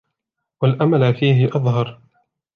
وَالْأَمَلَ فِيهِ أَظْهَرُ